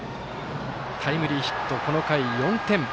タイムリーヒット、この回４点。